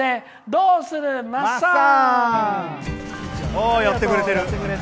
「どうするまっさん」。